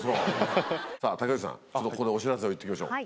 さあ竹内さん、ちょっと、ここでお知らせを言っときましょう。